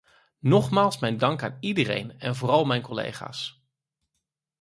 Nogmaals mijn dank aan iedereen en vooral mijn collega's.